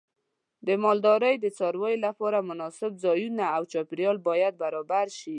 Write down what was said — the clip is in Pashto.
د مالدارۍ د څارویو لپاره مناسب ځایونه او چاپیریال باید برابر شي.